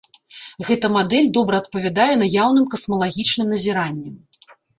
Гэта мадэль добра адпавядае наяўным касмалагічным назіранням.